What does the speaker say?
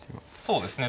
そうですね。